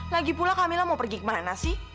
lagi pula kamila mau pergi ke mana sih